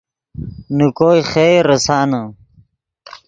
نے کوئے خیر ریسانے